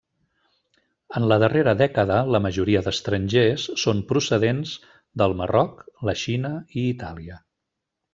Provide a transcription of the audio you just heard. En la darrera dècada la majoria d'estrangers són procedents del Marroc, la Xina i Itàlia.